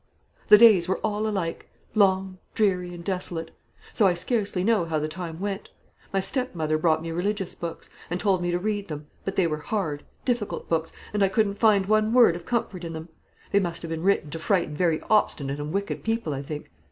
"The days were all alike, long, dreary, and desolate; so I scarcely know how the time went. My stepmother brought me religious books, and told me to read them; but they were hard, difficult books, and I couldn't find one word of comfort in them. They must have been written to frighten very obstinate and wicked people, I think.